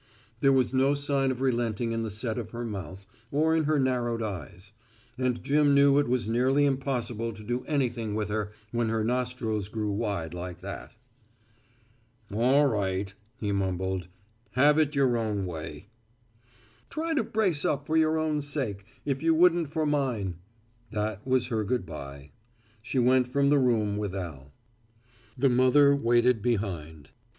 There was no sign of relenting in the set of her mouth or in her narrowed eyes; and Jim knew it was nearly impossible to do anything with her when her nostrils grew wide like that. "All right," he mumbled, "have it your own way." "Try to brace up for your own sake, if you wouldn't for mine." That was her good bye. She went from the room with Al. The mother waited behind.